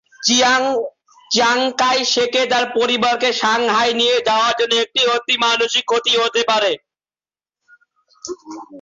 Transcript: Chiang কাই-শেকে তার পরিবারকে সাংহাই নিয়ে যাওয়ার জন্য একটি অতি মানসিক ক্ষতি কি হতে পারে?